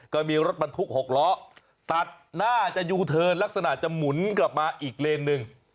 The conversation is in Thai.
ก็มีรถบรรทุก๖ล้อตัดหน้าจะยูเทิร์นลักษณะจะหมุนกลับมาอีกเลนหนึ่ง